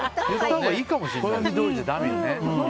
って暦どおりじゃだめよね。